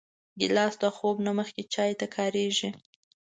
ګیلاس د خوب نه مخکې چای ته کارېږي.